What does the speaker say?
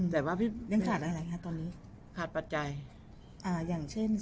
แต่ว่าพี่อย่างเช่นสวัสดีการอยากได้บริเวณบัตรสวัสดีการอย่างงั้น